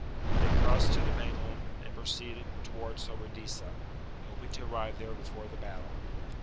They crossed to the main land, and proceeded towards Sobradisa, hoping to arrive there before the battle.